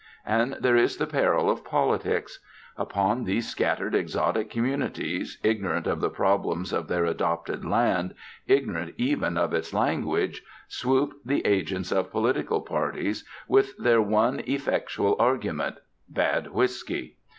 And there is the peril of politics. Upon these scattered exotic communities, ignorant of the problems of their adopted land, ignorant even of its language, swoop the agents of political parties, with their one effectual argument bad whisky.